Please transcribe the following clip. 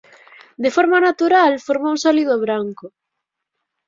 De forma natural forma un sólido branco.